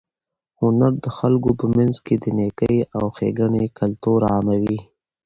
هنر د خلکو په منځ کې د نېکۍ او ښېګڼې کلتور عاموي.